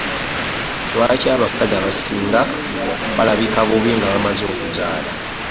Lwaki abakazi abasinga balabika bubbi nga bamaze okuzaala?